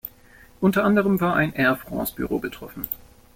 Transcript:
Unter anderem war ein Air France-Büro betroffen.